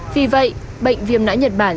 vì vậy bệnh viêm nã nhật bản